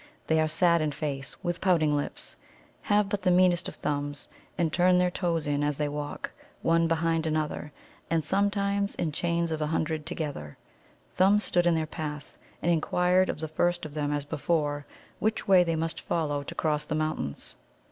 They are sad in face, with pouting lips, have but the meanest of thumbs, and turn their toes in as they walk, one behind another, and sometimes in chains of a hundred together. Thumb stood in their path, and inquired of the first of them, as before, which way they must follow to cross the mountains.